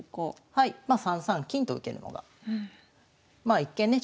はいまあ３三金と受けるのがまあ一見ね